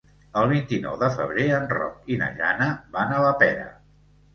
El vint-i-nou de febrer en Roc i na Jana van a la Pera.